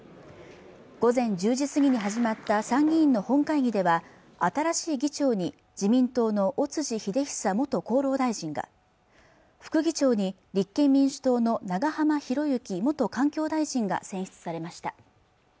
午前１０時過ぎに始まった参議院の本会議では新しい議長に自民党の尾辻秀久元厚労大臣が副議長に立憲民主党の長浜博行元環境大臣が選出されました